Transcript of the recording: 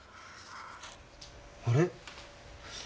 あれ？